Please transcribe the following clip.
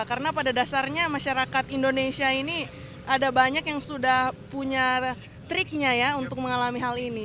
karena pada dasarnya masyarakat indonesia ini ada banyak yang sudah punya triknya ya untuk mengalami hal ini